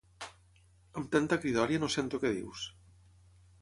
Amb tanta cridòria no sento què dius